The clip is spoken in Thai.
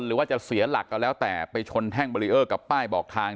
หรือว่าจะเสียหลักก็แล้วแต่ไปชนแท่งเบรีเออร์กับป้ายบอกทาง